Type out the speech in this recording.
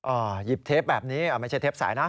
หยิบเทปแบบนี้ไม่ใช่เทปสายนะ